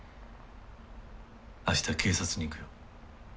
明日警察に行くよ。